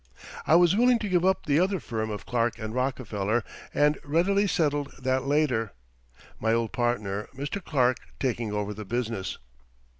I was willing to give up the other firm of Clark & Rockefeller, and readily settled that later my old partner, Mr. Clark, taking over the business.